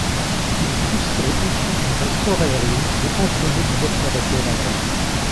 Il est transféré ensuite dans un corps aérien et entraîné comme observateur aérien.